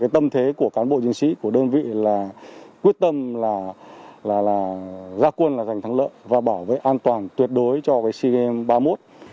tâm thế của cán bộ chiến sĩ của đơn vị là quyết tâm ra quân là giành thắng lợi và bảo vệ an toàn tuyệt đối cho cgm ba mươi một